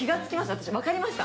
私分かりました。